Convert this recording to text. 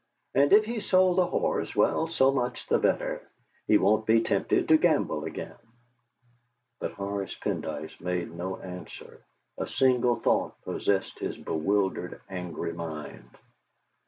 And if he's sold the horse, well, so much the better. He won't be tempted to gamble again." But Horace Pendyce made no answer. A single thought possessed his bewildered, angry mind